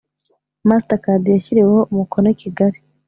Mastercard yashyiriweho umukono i kigali